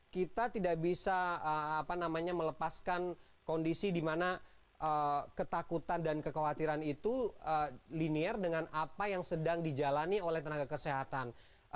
kita tidak bisa melepaskan kondisi di mana ketakutan dan kekhawatiran itu linear dengan apa yang sedang dijalani oleh tenaga kesehatan